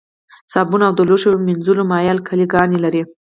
صابون او د لوښو مینځلو مایع القلي ګانې لري.